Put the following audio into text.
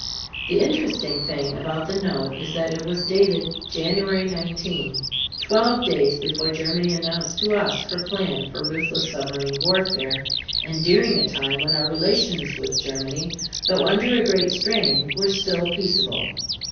The interesting thing about the note is that it was dated January 19, twelve days before Germany announced to us her plan for ruthless submarine warfare, and during a time when our relations with Germany, though under a great strain, were still peaceable.